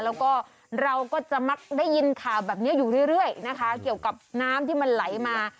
แล้วก็เราก็จะมักได้ยินข่าวแบบนี้อยู่เรื่อยนะคะเกี่ยวกับน้ำที่มันไหลมา